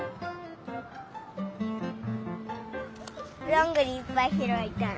どんぐりいっぱいひろいたい。